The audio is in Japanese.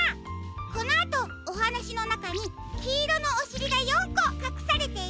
このあとおはなしのなかにきいろのおしりが４こかくされているよ。